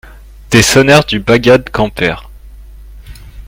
Des sonneurs du Bagad Kemper.